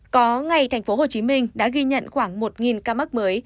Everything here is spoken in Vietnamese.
có ngày tp hcm đã ghi nhận khoảng một ca mắc mới